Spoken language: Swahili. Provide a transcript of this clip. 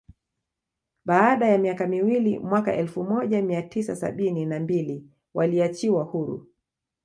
Baada ya miaka miwili mwaka elfu moja mia tisa sabini na mbili waliachiwa huru